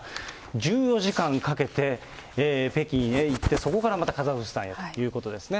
１４時間かけて、北京へ行って、そこからまたカザフスタンへということですね。